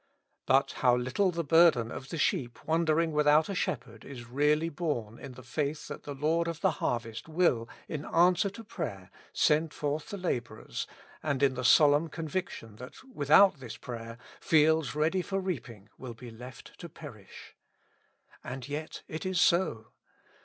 But how little the burden of the sheep wan dering without a Shepherd is really borne in the faith that the Lord of the harvest will, in answer to prayer, send forth the laborers, and in the solemn conviction that without this prayer fields ready for reaping wiU be left to perish. And yet it is so.